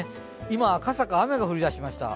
今、赤坂、雨が降り出しました。